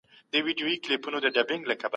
رحمان بابا د مينې شاعر و.